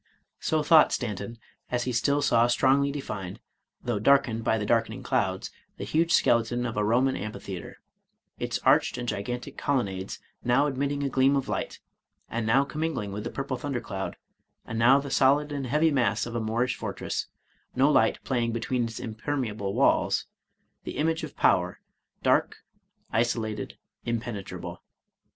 So thought Stanton, as he still saw strongly defined, though darkened by the darkening clouds, the huge skeleton of a Roman amphitheater, its arched and gigantic colonnades now admitting a gleam of light, and now com mingling with the purple thunder cloud ; and now the solid and heavy mass of a Moorish fortress, no light playing between its impermeable walls, — the image of power, dark, isolated, impenetrable.